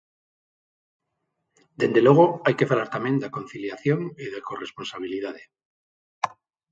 Dende logo, hai que falar tamén da conciliación e da corresponsabilidade.